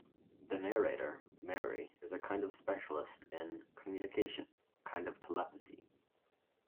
The narrator, Mary, is a specialist in 'communication' - a kind of telepathy.